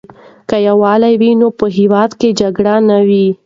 که یووالی وي نو په هېواد کې جګړه نه وي.